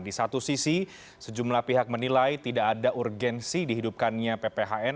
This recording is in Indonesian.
di satu sisi sejumlah pihak menilai tidak ada urgensi dihidupkannya pphn